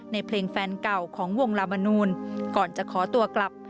ในเพลงแฟนเก่าของวงลามนูลก่อนจะขอตัวกลับ